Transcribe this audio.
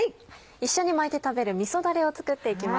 一緒に巻いて食べるみそだれを作っていきます。